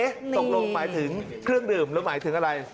ตกลงหมายถึงเครื่องดื่มหรือหมายถึงอะไร